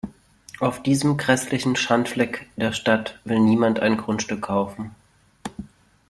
Auf diesem grässlichen Schandfleck der Stadt will niemand ein Grundstück kaufen.